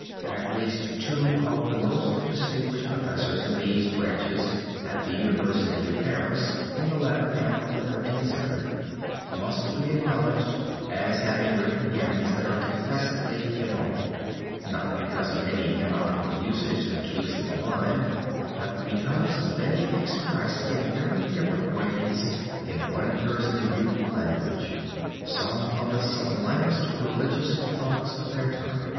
At least two of the most distinguished professors in these branches at the University of Paris in the latter half of the Thirteenth Century, must be acknowledged as having written hymns that are confessedly immortal, not because of any canonical usage that keeps them alive, but because they express in very different ways, in wondrously beautiful language some of the sublimest religious thoughts of their time.